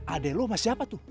ade lo sama siapa tuh